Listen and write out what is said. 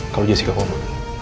kalau jessica koma